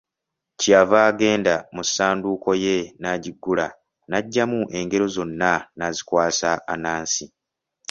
Kye yava agenda mu ssanduuko ye n'agiggula n'aggyamu engero zonna n'azikwasa Anansi.